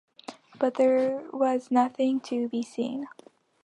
But there was nothing to be seen.